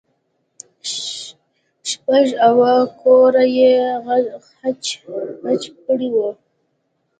شپږ اوه کوره يې خچ پچ کړي وو.